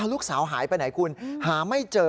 ลูกสาวหายไปไหนคุณหาไม่เจอ